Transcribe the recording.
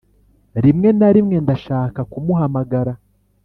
rimwe na rimwe ndashaka kumuhamagara